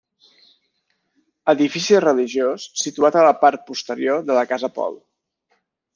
Edifici religiós situat a la part posterior de la Casa Pol.